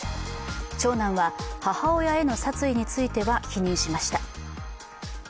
長男は母親への殺意については否認しました。